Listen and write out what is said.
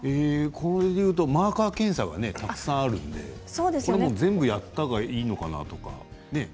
これでいうとマーカー検査がたくさんあるので全部やったほうがいいのかなとか。